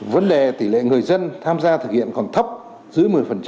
vấn đề tỷ lệ người dân tham gia thực hiện còn thấp dưới một mươi